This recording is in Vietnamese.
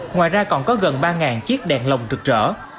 ngoài ra còn có gần ba chiếc đèn lồng trực trở